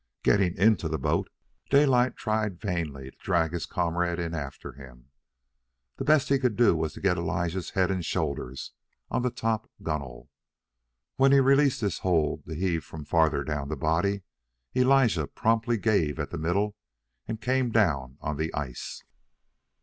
Getting into the boat, Daylight tried vainly to drag his comrade in after him. The best he could do was to get Elijah's head and shoulders on top the gunwale. When he released his hold, to heave from farther down the body, Elijah promptly gave at the middle and came down on the ice.